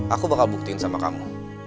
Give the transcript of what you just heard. aku bakal buktiin sama kamu